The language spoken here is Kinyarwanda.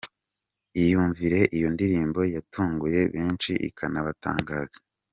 Iyumvire iyo ndirimbo yatunguye benshi ikanabatangaza .